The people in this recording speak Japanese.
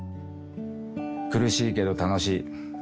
苦しいけど楽しい。